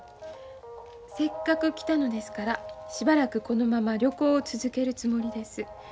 「せっかく来たのですからしばらくこのまま旅行を続けるつもりです。